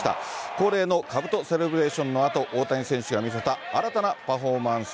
恒例のかぶとセレブレーションのあと大谷選手が見せた新たなパフォーマンス。